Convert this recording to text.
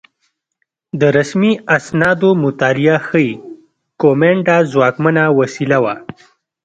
د رسمي اسنادو مطالعه ښيي کومېنډا ځواکمنه وسیله وه